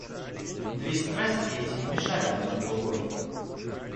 Две страсти эти не мешали одна другой.